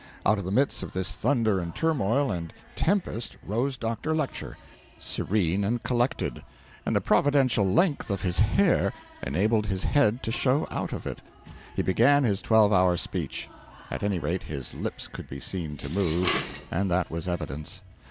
Out of the midst of this thunder and turmoil and tempest rose Dr. Lecher, serene and collected, and the providential length of him enabled his head to show out of it. He began his twelve hour speech. At any rate, his lips could be seen to move, and that was evidence.